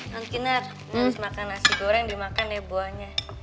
nankinar nanti makan nasi goreng dimakan deh buahnya